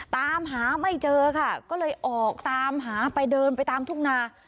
ตามหาไม่เจอค่ะก็เลยออกตามหาไปเดินไปตามทุ่งนา